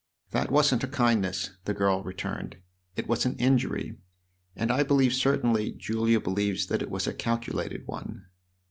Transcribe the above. "That wasn't a kindness," the girl returned; "it was an injury, and I believe certainly Julia believes that it was a calculated one.